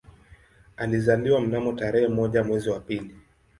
Alizaliwa mnamo tarehe moja mwezi wa pili